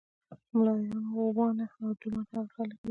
ملایان، غوبانه او ډمان هغه خلک دي.